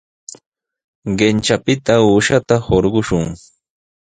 Kanchapita uushata hurqashun.